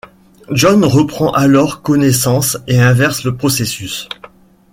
John reprend alors connaissance et inverse le processus.